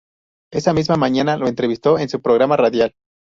Esa misma mañana, lo entrevistó en su programa radial.